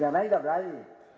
yang lain gak berani